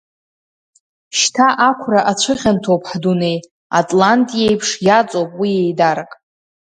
Шьҭа ақәра ацәыхьанҭоуп ҳдунеи, атлант иеиԥш иаҵоуп уи еидарак!